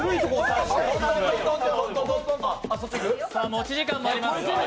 持ち時間もあります。